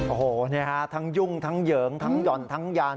โอ้โหทั้งยุ่งทั้งเหยิงทั้งหย่อนทั้งยาน